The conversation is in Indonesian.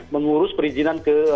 mengurus perizinan ke